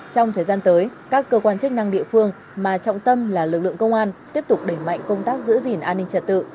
trong thời gian tới các cơ quan chức năng địa phương mà trọng tâm là lực lượng công an tiếp tục đẩy mạnh công tác giữ gìn an ninh trật tự